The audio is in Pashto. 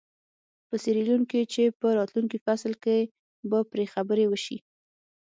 په سیریلیون کې چې په راتلونکي فصل کې به پرې خبرې وشي.